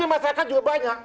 masyarakat juga banyak